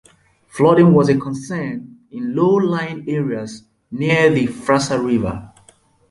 Flooding was a concern in low-lying areas near the Fraser River.